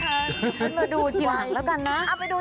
เดี๋ยวมาดูที่หลังแล้วกันนะ